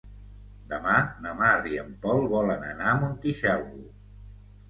Demà na Mar i en Pol volen anar a Montitxelvo.